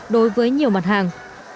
đối với nhiều mặt hàng